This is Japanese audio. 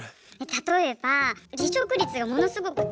例えば離職率がものすごく高くって。